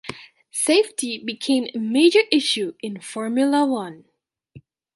Safety became a major issue in Formula One.